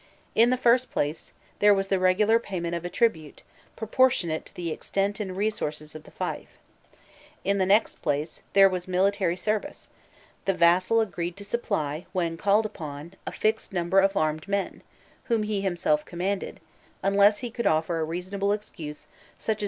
In the first place, there was the regular payment of a tribute, proportionate to the extent and resources of the fief. In the next place, there was military service: the vassal agreed to supply, when called upon, a fixed number of armed men, whom he himself commanded, unless he could offer a reasonable excuse such as illness or senile incapacity.